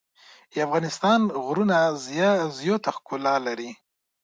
د افغانستان غره زیاته ښکلا لري.